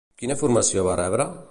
Quina formació va rebre?